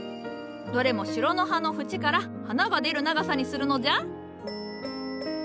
どれもシュロの葉の縁から花が出る長さにするのじゃ。